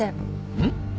うん？